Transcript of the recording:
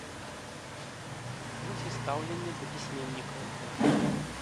Вось і стаўленне да пісьменнікаў.